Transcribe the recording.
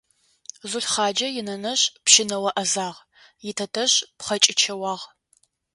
Зулхъаджэ инэнэжъ пщынэо Ӏэзагъ, итэтэжъ пхъэкӀычэуагъ.